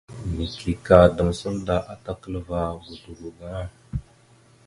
Neke ka damsavda atakalva godogo gaŋa.